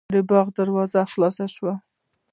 د باغ دروازه خلاصه شوه.